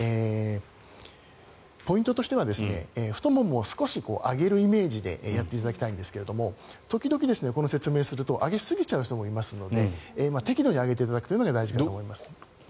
ポイントとしては太ももを少し上げるイメージでやっていただきたいんですが時々、この説明をすると上げすぎちゃう人もいますので適度に上げていただくというのが大事かと思います。